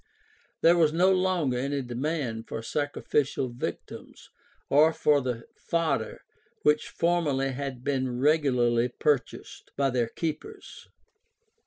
There was no longer any demand for sacrificial victims or for the fodder which formerly had been regularly purchased by their keepers.